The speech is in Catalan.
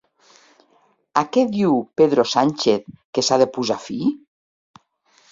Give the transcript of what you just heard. A què diu Pedro Sánchez que s'ha de posar fi?